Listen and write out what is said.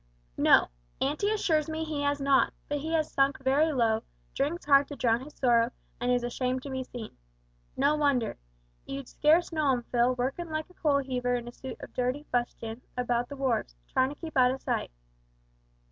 "No. Auntie assures me he has not, but he is sunk very low, drinks hard to drown his sorrow, and is ashamed to be seen. No wonder. You'd scarce know 'im, Phil, workin' like a coal heaver, in a suit of dirty fustian, about the wharves tryin' to keep out of sight.